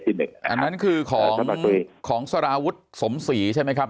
ท่านรองโฆษกครับ